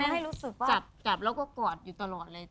แม่ชัดกับเราก็กอดอยู่ตลอดเลย